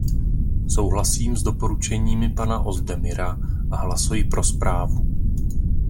Souhlasím s doporučeními pana Ozdemira a hlasuji pro zprávu.